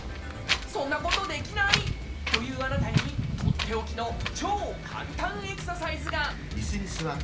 そんなことできない！というあなたにとっておきの超簡単エクササイズが！